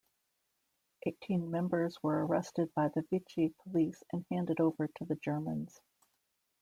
Eighteen members were arrested by the Vichy police and handed over to the Germans.